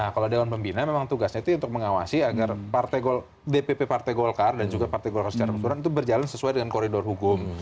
kalau dewan pembina memang tugasnya itu untuk mengawasi agar dpp partai golkar dan juga partai golkar secara keseluruhan itu berjalan sesuai dengan koridor hukum